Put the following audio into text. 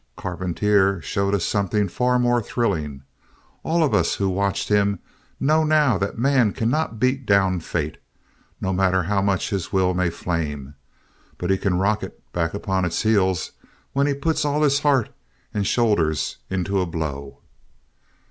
Carpentier showed us something far more thrilling. All of us who watched him know now that man cannot beat down fate, no matter how much his will may flame, but he can rock it back upon its heels when he puts all his heart and his shoulders into a blow.